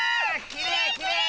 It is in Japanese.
きれいきれい！